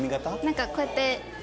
なんかこうやって。